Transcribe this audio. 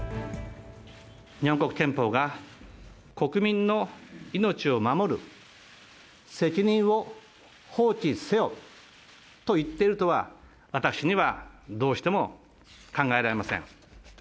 日本国憲法が国民の命を守る責任を放棄せよといっているとは、私にはどうしても考えられません。